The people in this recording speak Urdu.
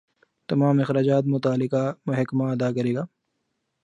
تمام اخراجات متعلقہ محکمہ ادا کرے گا